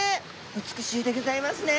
美しいでギョざいますね。